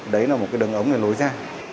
đấy là một cái đường ống để lối ra